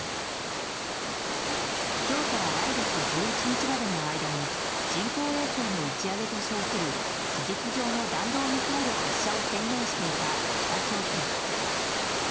今日から来月１１日までの間に人工衛星の打ち上げと称する事実上の弾道ミサイル発射を宣言していた北朝鮮。